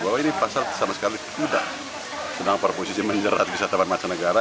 bahwa ini pasal sama sekali sudah sedang berposisi menjerat peserta pariwisata masyarakat negara